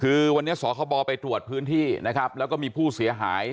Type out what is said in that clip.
คือวันนี้สคบไปตรวจพื้นที่นะครับแล้วก็มีผู้เสียหาย